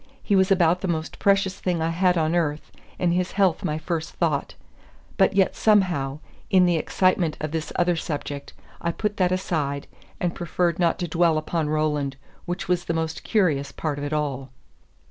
He was about the most precious thing I had on earth, and his health my first thought; but yet somehow, in the excitement of this other subject, I put that aside, and preferred not to dwell upon Roland, which was the most curious part of it all.